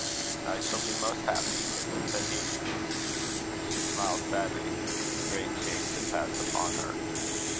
"I shall be most happy," said he. She smiled sadly. A great change had passed upon her.